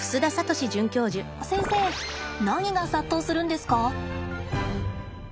先生何が殺到するんですか？